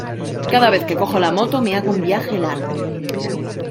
Cada vez que cojo la moto me hago un viaje largo.